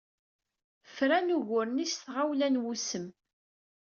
Fran ugur-nni s tɣawla n wusem.